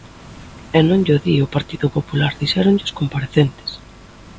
E non llo di o Partido Popular, dixéronllo os comparecentes.